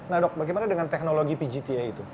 nah dok bagaimana dengan teknologi pgta itu